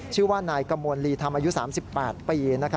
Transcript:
ชื่อว่านายกมวลลีธรรมอายุ๓๘ปี